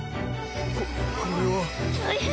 ここれは。大変！